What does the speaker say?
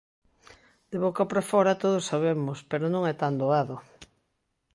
De boca para fóra todos sabemos, pero non é tan doado.